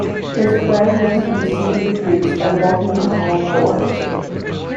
His plan was to deceive the Greeks by walking on all fours.